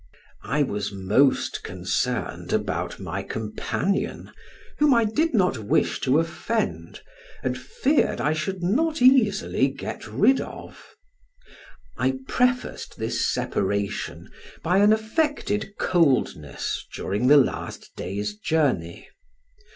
I was most concerned about my companion, whom I did not wish to offend, and feared I should not easily get rid of. I prefaced this separation by an affected coldness during the last day's journey.